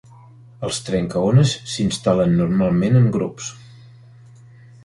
Els trencaones s'instal·len normalment en grups.